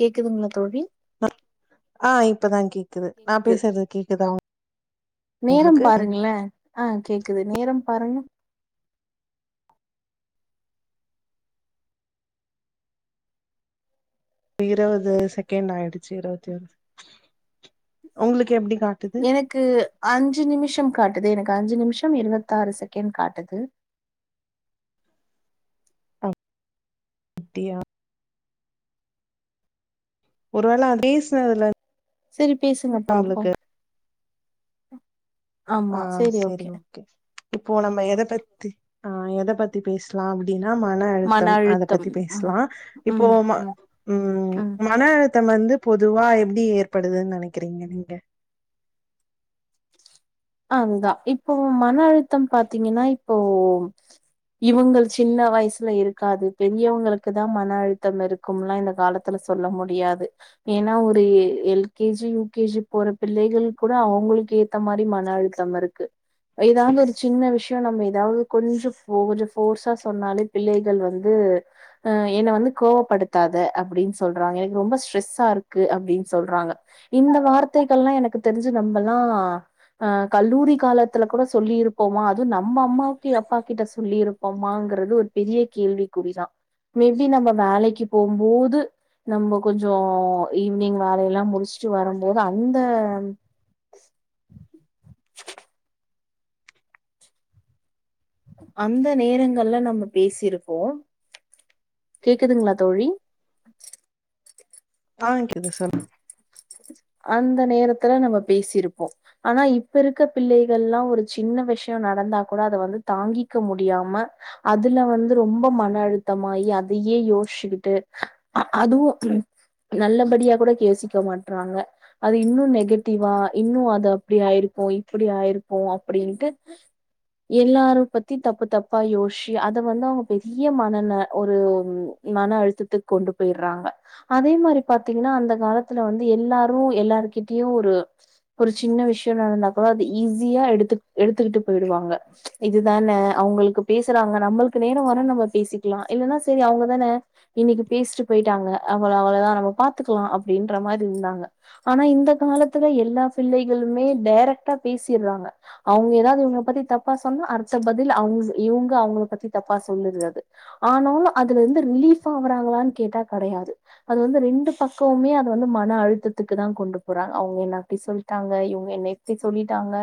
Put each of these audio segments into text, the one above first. கேக்குதுங்களா தோழி ஆ இப் ஆ கேக்குது நேரம் உங்களுக்கு பாருங்களே ஆ கேக்குது நேரம் பாருங்க இருவது செகண்ட் ஆயிடுச்சி இருவத்தி ஒரு உங்களுக்கு எப்டி காட்டுது எனக்கு அஞ்சி நிமிஷம் காட்டுது எனக்கு அஞ்சு நிம்ஷம் இருவத்தாறு செகேண்ட் காட்டுது அ அத்தியா ஒருவேல பேசுனதுல சரி பேசுங்க பாப்போ நம்மளுக்கு ஹ ஆ ஆமா சேரி செரி ஓகே இப்போ நம்ம எத பத்தி ஆஹ் எத பத்தி பேஸ்லா அப்டினா னா மன அழுத்தம் அத பத்தி பேஸ்லா ம் இப்போ ம ம் ம் மன அழுத்தம் வந்து பொதுவா எப்டி ஏற்படுதுன்னு நெனைக்கிறீங்க நீங்க அதுதா இப்போ மன அழுத்தம் பாத்தீங்கன்னா இப்போ இவங்கள் சின்ன வயசுல இருக் காது பெரியவுங்களுக்கு தா மன அழுத்தம் இருக்கும்லா இந்த காலத்துல சொல்ல முடியாது ஏன்னா ஒரு எ L K G U K G போற பிள்ளைகள் கூட அவுங்களுக்கேத்த மாரி மன் ன அழுத்தம் இருக்கு ஏதாவது ஒரு சின்ன விஷ்யோ நம்ம ஏதாவது கொஞ்சொ ஃபோ கொஞ்சொ ஃபோர்ஸா சொன்னாலே பிள்ளைகள் வந்து அஹ் என்ன வந்து கோவப்படுத்தாத அப்டின்னு சொல்றாங்க எனக்கு ரொம்ப ஸ்ட்ரெஸ்ஸா இருக்கு அப்டின்னு சொல்றாங்க இந்த வார்த்தைகள்லா எனக்கு தெரிஞ்சு நம்மல்லா அஹ் கல்லூரி காலத்துல கூட சொல்லீருப்போமா அதுவு நம்ம அம்மாவுக்கு அப்பா கிட்ட சொல்லிருப்போமாங்குறது ஒரு பெரிய கேள்விக்குறிதா மேபி நம்ம வேலைக்கு போம்போது நம்ம கொஞ்சோ ஈவினிங் வேலை எல்லா முடிச்சுட்டு வரம்போது அந்த அந்த நேரங்கள்ல நம்ம பேசிருக்கோ கேக்குதுங்களா தோழி ஆ குது சொல் அந்த நேரத்துல நம்ம பேசிருப்போ ஆனா இப்ப இருக்க பிள்ளைகள்ல்லா ஒரு சின்ன விஷயோ நடந்தா கூட அத வந்து தாங்கிக்க முடியாம அதுல வந்து ரொம்ப மன அழுத்தமாயி அதையே யோஷ்ஷுக்கிட்டு அதுவு ம் நல்லபடியா கூட யேசிக்க மாட் ராங்க அது இன்னு நெகட்டிவா இன்னு அது அப்டி ஆயிருப்போ இப்டி ஆயிருப்போ அப்டின்ட்டு எல்லாரு பத்தி தப்பு தப்பா யோஷி அத வந்து அவுங்க பெரிய மன ந ஒரு ஒரு மன அழுத்தத்துக் கொண்டு போயிர்றாங்க அதே மாரி பாத்தீங்ன்னா அந்த காலத்துல வந் து எல்லாரு எல்லாருகிட்டயு ஒரு ஒரு சின்ன விஷயோ நடந்தா கூட அது ஈஸியா எடுத்து எடுத்துக்கிட்டு போயிடுவாங்க இதுதான அவுங்களுக்கு பேசுறாங்க நம்மளுக்கு நேரோ வரு நம்ம பேசிக்கலா இல்லன்னா செரி அவுங்கதான இன்னைக்கு பேசிட்டு போயிட்டாங்க அவள அவளதா நம்ம பாத்துக்கலா அப்டின்ற மாரி இருந்த ஆனா இந்த காலத்துல எல்லா பிள்ளைகளுமே டேரெக்டா பேசீர்றாங்க அவுங்க எதாது இவுங்கல பத்தி தப்பா சொன்னா அடுத்த பதில் அவுங் இவுங்க அவுங்கல பத்தி தப்பா சொல்லீர்றது ஆனாலு அதுலிந்து ரீலீஃப் ஆவராங்லான் கேட்டா கெடையாது அது வந்து ரெண்டு பக்கவுமே அது வந்து ம மன அழுத்தத்துக்கு தா கொண்டு போறாங்க அவுங்க என்ன அப்டி சொல்ட்டாங்க இவுங்க என்ன இப்டி சொல்லிட்டாங்க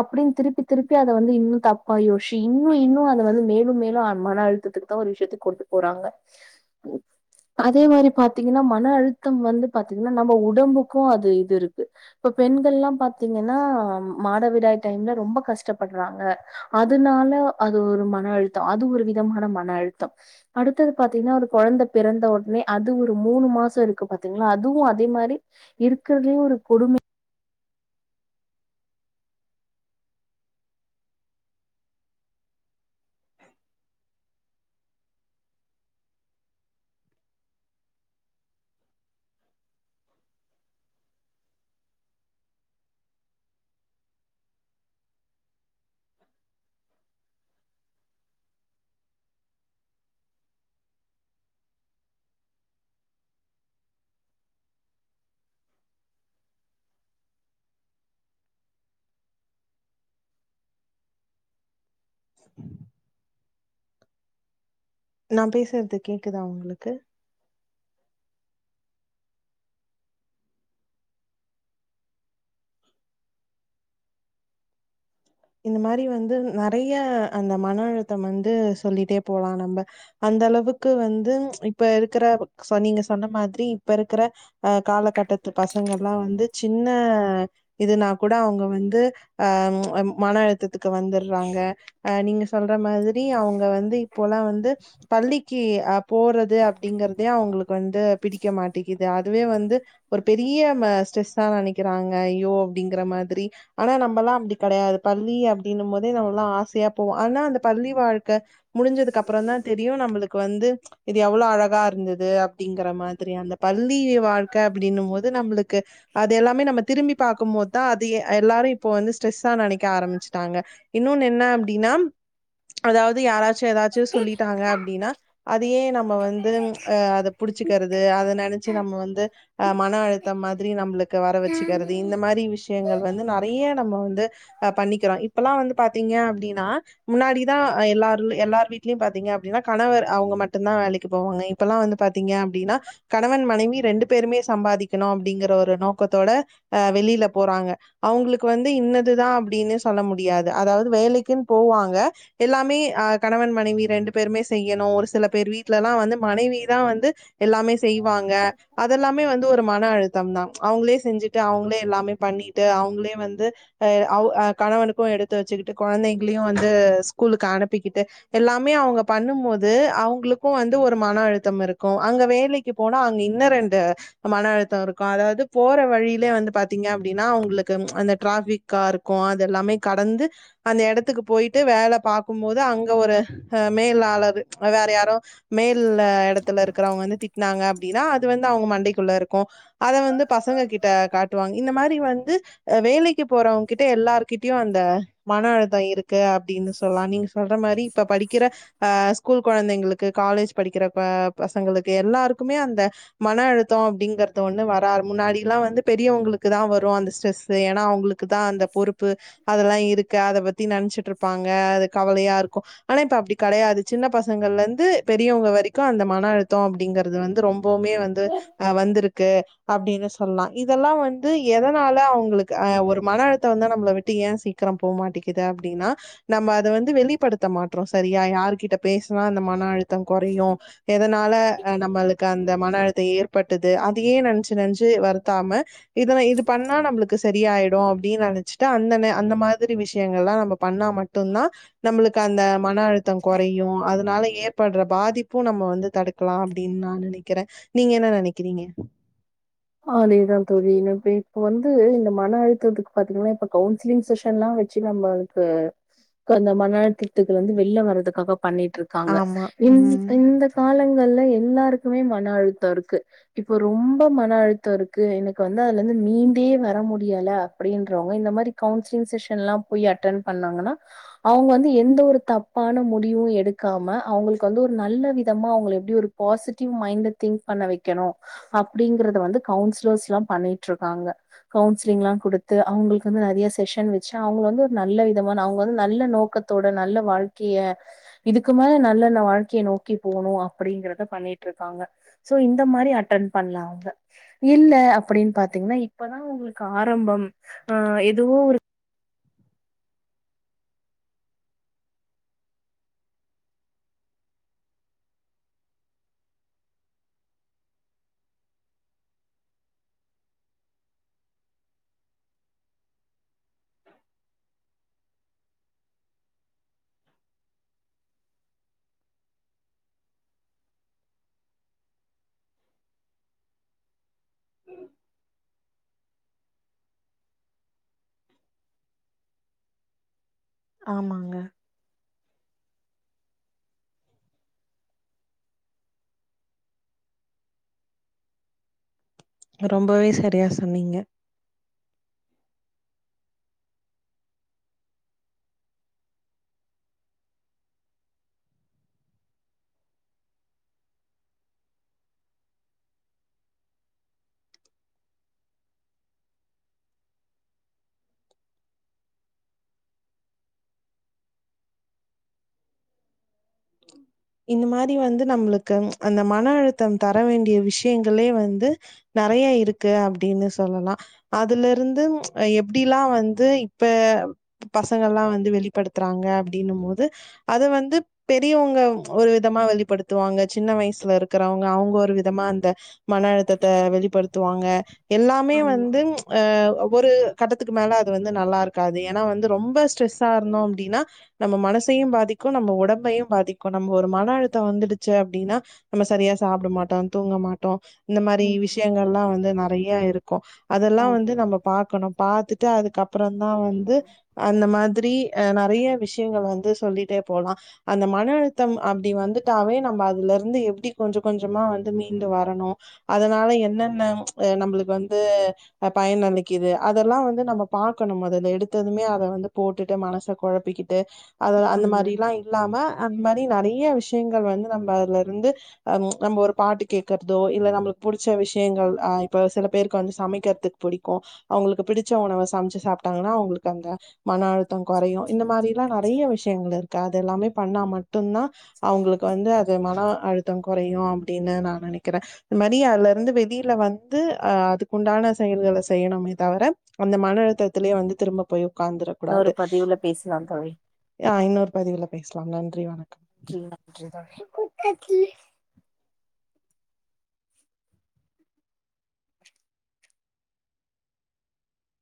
அப்டின் திருப்பி திருப்பி அத வந்து இன்னு தப்பா யோஷி இன்னு இன்னு அத வந்து மேலும் மேலும் மன அழுத்தத்துக்கு தா ஒரு விஷயத்த கொண்டு போறாங்க அதே மாரி பாத்தீங்கன்னா மன அழுத்தம் வந்து பாத் தீங்கன்னா நம்ம உடம்புக்கு அது இது இருக்கு இப்ப பெண்கள்ல்லா பாத்தீங்கன்னா மாட விடாய் டைம்ல ரொம்ப கஷ்டப்படுறாங்க அதுனால அது ஒரு மன அழுத்தோ அது ஒரு விதமான மன அழுத்தோ அடுத்தது பாத்தீங்கன்னா ஒரு குழந்த பிறந்த ஒட்னே அது ஒரு மூணு மாசோ இருக்கு பா்த்தீங்கலா அத் அதுவு அதே மாரி இருக்கறதுலே ஒரு கொடுமை உஹம் நான் பேசறது கேக்குதா உங்களுக்கு இந்த மாரி வந்து நறைய அந்த மன அழுத்தம் வந்து சொல்லிட்டே போலா நம்ப அந்த அளவுக்கு வந்து இப்ப இருக்குற சொ நீங்க சொன்ன மாதிரி இப்ப இருக்ற அ காலகட்டத்து பசங்கள்ல்லா வந்து சின்ன இதுனா கூட அவுங்க வந்து அஹ்ம் மன எழுத்தத் துக்கு வந்துட்றாங்க அஹ் நீங்க ஸ் சொல்ற மாதிரி அவுங்க வந்து இப்போல்லா வந்து பள்ளிக்கு அ போறது அப்டிங்கறதே அவுங்களுக்கு வந்து பிடிக்க மாட்டிக்குது அதுவே வந்து ஒரு பெரிய ம ஸ்ட்ரெஸ்ஸா நெனைக்கிறாங்க ஐயோ அப்டிங்கிற மாதிரி ஆனா நம்மல்லா அப்டி கடையா பள்ளி அப்டின்னும்போதே நாம்மல்லா ஆசையா போவோ ஆனா அந்த பள்ளி வாழ்க்க முடிஞ்சதுக்கப்பறந்தா தெரியு நம்மளுக் கு வந்து இது எவ்ளோ அழகார்ந்துது அப்டிங்கற மாதிரி அந்த பள்ளி வாழ்க்க அப்டின்னும் போது நம்ளுக்கு அது எல்லாமே நம்ம திரும்பி பாக்கும்போதா அதுயெ எல்லாரு இப்போ வந்து ஸ்ட்ரெஸ்ஸா நெனைக் க்க ஆரமிச்சிட்டாங்க இன்னோன்னென்ன அப்டினா அதாவது யாராச்சு எதாச் ச்சு சொல்லிட்டாங்க அப்டின்னா அதுயே நம்ம வந்து அஹ் அத புடிச்சுக்கறது அத நெனச்சு நம்ம வந்து அஹ் மன அழுத்தம் மாதிரி நம்ளுக் க்கு வர வெச்சுக்கறது இந்த மாரி விஷயங்கள் வந்து நறைய நம்ம வந்து பண்ணிக்றோ இப்பலா வந்து பாத்தீங்க அப்டினா முன்னாடிதா அ எல்லாரு எல்லார் வீட்லயு பாத்தீங்க அப்டினா கணவர் அவுங்க மட்டுந்தா வேலைக்கு போவாங்க இப்பெல்லா வந்து பாத்தீங்க அப்டினா கணவன் மனைவி ரெண்டு பேருமே சம்பாதிக்கணு அப்படிங்கிற ஒரு நோக்கத்தோட அஹ் வெளில போறாங்க அவுங்களுக்கு வந்து இன்னதுதா அப்டினு சொல்ல முடியாது அதாவது வேலைக்குன் போவாங்க எல்லாமே அ கணவன் மனைவி ரெண்டு பேருமே செய்யணு ஒரு சில பேர் வீட்லெல்லா வந்து மனைவி தா வந்து எல்லாமே செய்வாங்க அதெல்லாமே வந்து ஒரு மன அழுத்தம் தா அவுங்களே செஞ்சுட்டு அவுங்களே எல்லாமே பண்ணிட்டு அவுங்களே வந்து அ ஒள அ கணவனுக்கு எடுத்து வச்சுக்கிட்டு கொழந்தைங்களையு வந் ந்து ஸ்கூலுக்கு அனுப்பிக்கிட் ட்டு எல்லாமே அவுங்க பண்ணும்மோது அவுங்ளுக்கு வந்து ஒரு மன அழுத்தம் இருக்கு அங்க வேலைக்கு போனா அங்க இன்ன ரெண்டு மன அழுத்தோ இருக்கு அதாவது போற வழியிலே வந்து பாத்தீங்க அப்படின்னா அவுங்களுக்கு அந்த ட்றாஃபி கார்கும் அதெல்லாமே கடந்து அந்த எடத்துக்கு போயிட்டு வேல பாக்கும்போது அங்க ஒரு அ மேலாளரு வேற யாரோ மேல்ல எடத்துல இருக்கறவங்க வந்து திட்டினாங்க அப்பிடினா அது வந்து அவுங்க மண்டைக் குள்ளருக்கும் அத வந்து பசங்க கிட்ட காட்டுவாங்க இந்த மாரி வந்து அ வேலைக்கு போறவங்கிட்ட எல்லார்கிட்டயும் அந்த மன அழுத்தம் இருக்கு அப்பிடின்னு சொல்லாம் நீங்க சொல்ற மாரி இப்ப படிக்கிற ஆ ஸ்கூல் கொழந்தைங்களுக்கு காலேஜ் படிக்கிற ப பசங்களுக்கு எல்லாருக்குமே அந்த மனஅழுத்தம் அப்பிடிங்கறது ஒன்னு வரா முன்னாடில்லாம் வந்து பெரியவங்களுக்குதான் வரும் அந்த ஸ்ட்ரெஸ் ஏன்னா அவுங்களுக் க்குதான் அந்த பொறுப்பு அதெல்லாம் இருக்கு அத பத்தி நனச்சுட்டு இருப்பாங்க அது கவலையாருக்கும் ஆனா இப்ப அப்பிடி கடையாது சின்ன பசங்களந்து பெரியவங்க வரைக்கும் அந்த மன அழுத்தம் அப்பிடிங்கறது வந்து ரொம்ப எப்போமே வந்து அ வந்திருக்கு அப்பிடின்னு சொல்லலாம் இதெல்லாம் வந்து எதனால அவுங்களுக்கு அ ஒரு மன அழுத்த வந்தா நம்மள விட்டு ஏன் சீக்கிரம் போமாட்டேங்குது அப்பிடின்னா நம்ம அத வந்து வெளிப்படுத்த மாற்றோம் சரியா யாருகிட்ட பேசனா அந்த மன அழுத்த த்தம் கொறையும் எத னால நம்மளுக்கு அந்த மன அழுத்த ஏற்பட்டது அதேயே நனச்சு நனச்சு வருத்தாம இத இது பண்ணா நம்மளுக்கு சரியாயிடு ப்ரோ அப்பிடின்னு நனச்சிட்டு அந்த நே அந்த மாதிரி விஷயங்கள்ளாம் நம்ம பண்ணா மட்டும்தான் நம்மளுக்கு அந்த மன அழுத்தம் கொறையும் அதனால இப் ஏற்படுற பாதிப்பும் நம்ம வந்து தடுக்கலாம் அப்பிடின்னு நான் நனைக்கிறேன் நீங்க என்ன நனைக்கிறீங்க ஆ அதேதா தோழி இங்க இப்ப வந்து இந்த மன அழுத்தத்துக்கு பாத்தீங்கன்னா இப்ப கவுன்சிலிங் செக்ஷன்ல்லாம் வச்சு நம்மளுக்கு அந்த மன அழுத்தத்துக்கு வந்து வெளில வறதுக்காக பண்ணிட்ருக்காங்க ஆமா. இ ம். இந்த காலங் கள்ல எல்லாருக்குமே மன அழுத்தம் இருக்கு இப்ப ரொம்ப மன அழு த்தோ இருக்கு எனக்கு வந்து அதுல இருந்து மீண்டே வர முடியல அப்டின்றவங்க இந்த மாரி கவுன்சிலிங் செசன்லா போய் அட்டென் பண்ணாங்கன்னா அவுங்க வந்து எந்த ஒரு தப்பான முடிவு எடுக்காம அவங்களுக்கு வந்து ஒரு நல்ல விதமா அவங்கள எப்டி ஒரு பாசிட்டிவ் மைண்ட திங்க் பண்ண வைக்கணு அப்டிங்கரத வந்து கவுன்சிலர்ஸ்லா பண்ணிட்ருக்காங்க கவுன்சிலிங்லா குடுத்து அவங்க்ளுக்கு வந்து நெறைய செஷன் வச்சு அவங்க வந்து ஒரு நல்ல விதமான அவங்க வந்து நல்ல நோக்கத்தோட நல்ல வாழ்க்கைய இதுக்கு மேல நல்ல வாழ்க்கையை நோக்கி போணும் அப்படிங்கறத பண்ணிட்டு இருக்காங்க சோ இந்த மாரி அட்டன் பண்லா அவங்க இல்ல அப்படின் பாத்தீங்னா இப்பதா உங்களுக்கு ஆரம்பம் ஆ எதுவோ ஒரு ஆமாங்க ரொம்பவே சரியா சொன்னிங்க இந்த மாரி வந்து நம்ளுக்கு அந்த மன அழுத்தம் தர வேண்டிய விஷயங்களே வந்து நெறைய இருக்கு அப்டின்னு சொல்லலா அதுலருந்து எப்டிலா வந்து இப்ப பசங்கலாம் வந்து வெளிப்படுத்துறாங்க அப்டின்னும்போது அதுவந்து பெரியவங்க ஒரு விதமா வெளிப்படுத்துவாங்க சின்ன வயசுல இருக்கறவங்க அவங்க ஒரு விதமா அந்த மன அழுத்தத்த வெளிப்படுத்துவாங்க எல்லாமே ஆமா. வந்து அ ஒரு கட்டத்துக்கு மேல அது வந்து நல்லா இருக்காது ஏன்னா வந்து ரொம்ப ஸ்ட்ரெஸ்ஸா இருந்தோ அப்படின்னா நம்ம மனசையு பாதிக்கு நம்ம உடம்பையு பாதிக் கு நம்ம ஒரு மன அழுத்த வந்துடுச்சு அப்படின்னா நம்ம சரியா சாப்ட மாட்டோ தூங்க மாட்டோ இந்த மாரி ம். விஷயங்கள்லா வந்து நெறை யா இருக்கு அதெல்லா வந்து ஆமா. நம்ம பாக்கணும் பாத்துட்டு அதுக்கப்பறந்தா வந்து அந்த மாதிரி அ நெறைய விஷயங்கள் வந்து சொல்லிட்டே போலா அந்த மன அழுத் த்தம் அப்டி வந்துட்டாவே நம்ம அதுல இருந்து எப்டி கொஞ்ச கொஞ்சமா வந்து மீண்டு வரணு அதனால என்னென்ன நம்மளுக்கு வந்து பயன் அளிக்குது அதெல்லா வந்து நம்ம பாக்கணும் மொதல்ல எடுத்ததுமே அத வந்து போட்டுட்டு மனச கொழப்பிக்கிட் டு அத அந்த ஆமா. மாரில்லா இல்லாம இந்த மாரி நெறைய விஷயங்கள் வந்து நம்ம அதுல இருந்து அம் நம்ம ஒரு பாட்டு கேக்குறதோ இல்ல நம்மளுக்கு புடிச்ச விஷயங்கள் ஆ இப்ப சில பேருக்கு வந்து சமைக்கிறதுக்கு பிடிக்கும் அவங்களுக்கு பிடிச்ச உணவ சமைச்சு சாப்ட்டாங்கன்னா அவங்களுக்கு அந்த மன அழுத்தோ கொறையு இந்த மாரிலா நெறைய விஷயங்கள் இருக்கு அது எல்லாமே பண்ணாமட் மட்டுந்தா அவுங்களுக்கு வந்து அது மன அழுத்தோ கொறையு அப்டின்னு நா நெனைக்கிறே இந்த மாரி அதுல இருந்து வெளியில வந்து அ அதுக்குண்டான செயல்கள செய்யணுமே தவிர அந்த மன அழுத்தத்தில்யே வந்து திரும்ப போய் ஓக்காந்துரக் இன்னொரு கூடாது பதிவுல பேசலாம் தோழி. அ இன்னொரு பதிவுல பேச லாம் நன்றி வணக்கம் நன்றி நன்றி தோழி